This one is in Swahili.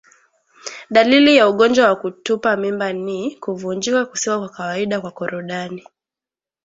Dalili ya ugonjwa wa kutupa mimba ni kuvimba kusiko kwa kawaida kwa korodani